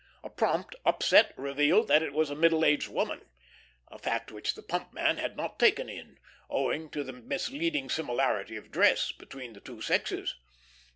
A prompt upset revealed that it was a middle aged woman, a fact which the pump man had not taken in, owing to the misleading similarity of dress between the two sexes.